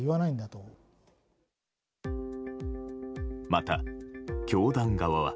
また、教団側は。